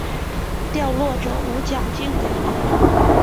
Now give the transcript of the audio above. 掉落者无奖金可得。